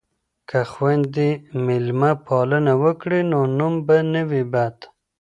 که خویندې میلمه پالنه وکړي نو نوم به نه وي بد.